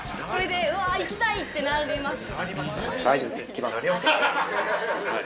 うわ、行きたい！ってなりますか？